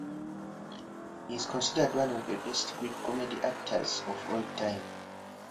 He is considered one of the best Greek comedy actors of all time.